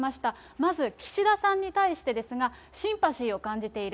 まず岸田さんに対してですが、シンパシーを感じている。